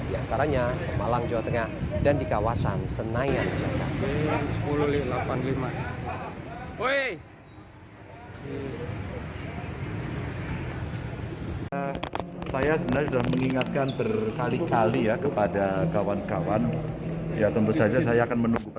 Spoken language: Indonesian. di antaranya pemalang jawa tengah dan di kawasan senayan jawa tengah